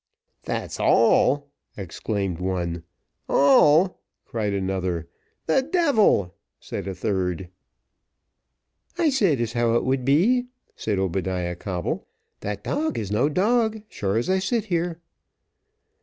"That's all!" exclaimed one. "All!" cried another. "The devil!" said a third. "I said as how it would be," said Obadiah Coble "that dog is no dog, as sure as I sit here."